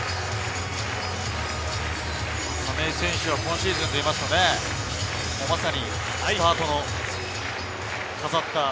亀井選手は今シーズンでいうとね、まさにスタートを飾った。